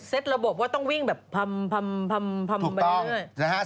เซตระบบว่าต้องวิ่งแบบพำมาด้วย